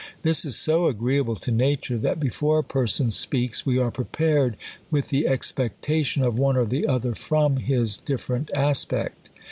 This is so agreeable to nature, that before a person speaks, we are prepared with the expectation of one or the other from his dif ferent aspect.